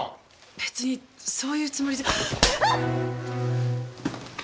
別にそういうつもりじゃあっ！